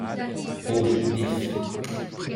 Rouge vif.